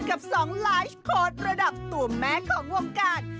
กับสองไลฟ์โค้ดระดับตัวแม่ของวงการ